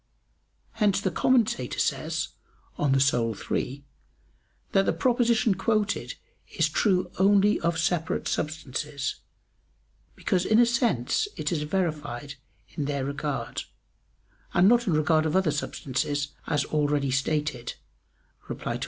Hence the Commentator says (De Anima iii) that the proposition quoted is true only of separate substances; because in a sense it is verified in their regard, and not in regard of other substances, as already stated (Reply Obj.